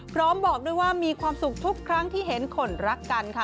บอกด้วยว่ามีความสุขทุกครั้งที่เห็นคนรักกันค่ะ